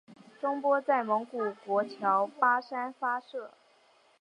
中波在蒙古国乔巴山发射。